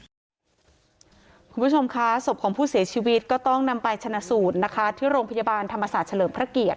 คุณผู้ชมคะศพของผู้เสียชีวิตก็ต้องนำไปชนะสูตรนะคะที่โรงพยาบาลธรรมศาสตร์เฉลิมพระเกียรติ